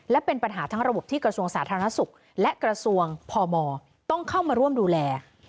และเป็นปัญหาทั้งระบบที่กระทรวงสาธารณสุขและกระทรวงพมต้องเข้ามาร่วมดูแล